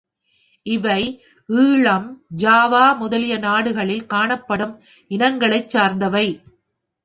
இவை ஈழம், ஜாவா முதலிய நாடுகளில் காணப்படும் இனங்களைச் சாந்தவை.